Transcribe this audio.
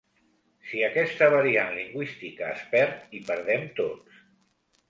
Si aquesta variant lingüística es perd, hi perdem tots.